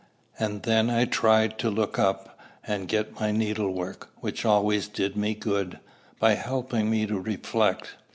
And then I tried to look up, and get my needlework, which always did me good, by helping me to reflect.